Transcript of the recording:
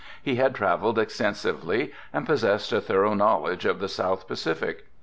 He had travelled extensively and possessed a thorough knowledge of the South Pacific.